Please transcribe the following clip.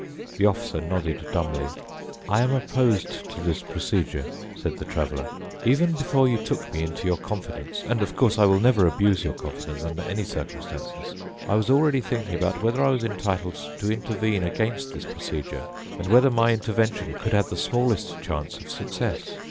The Officer nodded dumbly. "I am opposed to this procedure," said the Traveler. "Even before you took me into your confidence—and, of course, I will never abuse your confidence under any circumstances—I was already thinking about whether I was entitled to intervene against this procedure and whether my intervention could have the smallest chance of success.